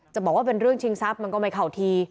บอกว่าเป็นเรื่องชิงทรัพย์มันก็ไม่เข้าที